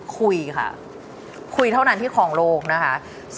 คุยค่ะคุยเท่านั้นที่ครองโลกนะคะ